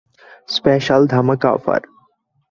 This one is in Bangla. স্পেশাল ধামাকা অফার!